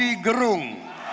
saudara roky gerung